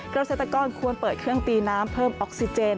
เกษตรกรควรเปิดเครื่องตีน้ำเพิ่มออกซิเจน